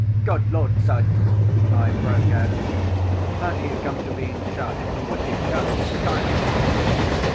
"Good Lord, sir!" I broke out, "how do you come to be in charge of the wicked Colonel's Diamond?"